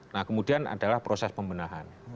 nah kemudian adalah proses pembenahan